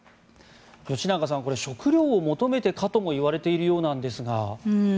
吉永さん、食料を求めてかともいわれているようですが。